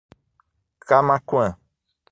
Camaquã